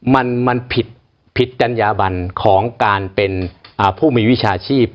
มันผิดผิดจัญญาบันของการเป็นผู้มีวิชาชีพ